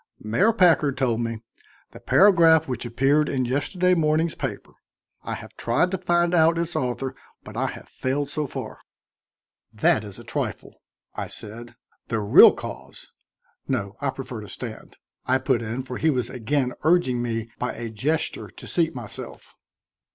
"Mayor Packard told me the paragraph which appeared in yesterday morning's paper. I have tried to find out its author, but I have failed so far." "That is a trifle," I said. "The real cause no, I prefer to stand," I put in, for he was again urging me by a gesture to seat myself.